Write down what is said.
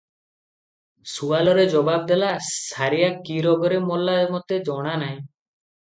ସୁଆଲରେ ଜବାବ ଦେଲା ସାରିଆ କି ରୋଗରେ ମଲା ମୋତେ ଜଣାନାହିଁ ।